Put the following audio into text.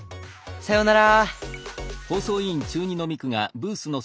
さようなら。